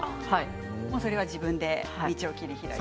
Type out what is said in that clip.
それは自分が道を切り開けと。